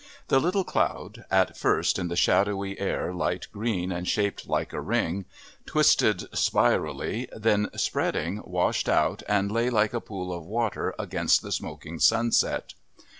The little cloud, at first in the shadowy air light green and shaped like a ring, twisted spirally, then, spreading, washed out and lay like a pool of water against the smoking sunset.